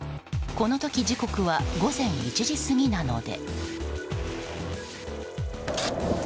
この時、時刻は午前１時過ぎなので。